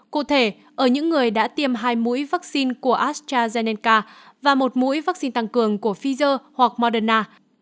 cụ thể ở những người đã tiêm hai mũi vaccine của astrazeneca và một mũi vaccine tăng cường của pfizer hoặc moderna